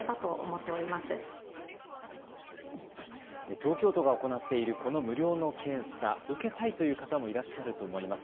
東京都が行っているこの無料の検査、受けたいという方もいらっしゃると思います。